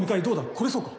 来れそうか？